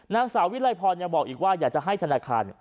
นางสาววิลัยพรยังบอกอีกว่าอยากจะให้ธนาคาร